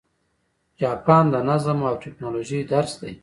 جاپان د نظم او ټکنالوژۍ درس دی.